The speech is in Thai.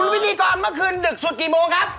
พิธีกรเมื่อคืนดึกสุดกี่โมงครับ